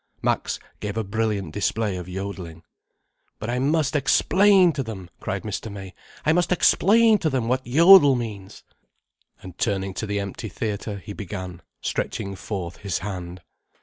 Max gave a brilliant display of yodelling. "But I must explain to them," cried Mr. May. "I must explain to them what yodel means." And turning to the empty theatre, he began, stretching forth his hand.